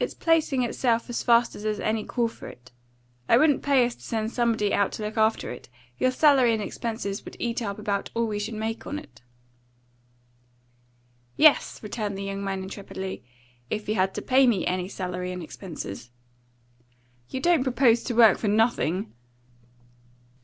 "It's placing itself as fast as there's any call for it. It wouldn't pay us to send anybody out to look after it. Your salary and expenses would eat up about all we should make on it." "Yes," returned the young man intrepidly, "if you had to pay me any salary and expenses." "You don't propose to work for nothing?"